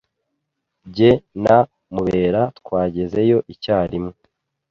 Jye na Mubera twagezeyo icyarimwe.